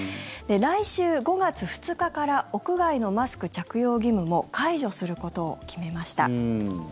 来週５月２日から屋外のマスク着用義務も解除することを決めました。